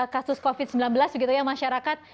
kasus covid sembilan belas begitu ya masyarakat